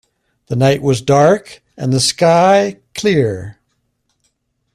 The night was dark, and the sky, clear.